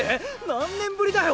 何年ぶりだよ！